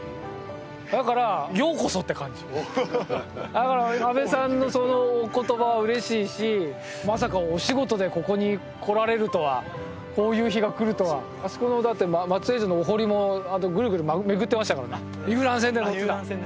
だからようこそって感じだから阿部さんのそのお言葉は嬉しいしまさかお仕事でここに来られるとはこういう日が来るとはあそこのだって松江城のお堀もぐるぐる巡ってましたからね遊覧船で乗ってた